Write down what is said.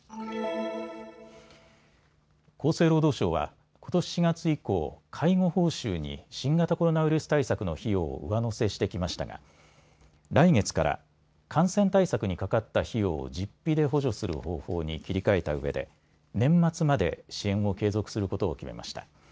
厚生労働省はことし４月以降、介護報酬に新型コロナウイルス対策の費用を上乗せしてきましたが来月から感染対策にかかった費用を実費で補助する方法に切り替えたうえで年末まで支援を継続することを決めました。